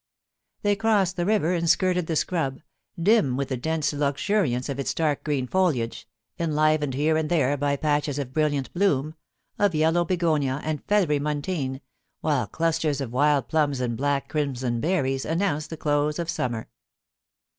They crossed the river and skirted the scrub, dim with the dense luxuriance of its dark green foliage, enlivened here and there by patches of brilliant bloom, of yellow be gonia, and feathery muntein, while clusters of wild plums and black and crimson berries announced the close of summer.